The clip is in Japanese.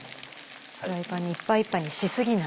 フライパンにいっぱいいっぱいにし過ぎない。